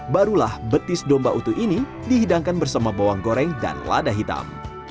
barulah betis domba utuh ini dihidangkan bersama bawang goreng dan lada hitam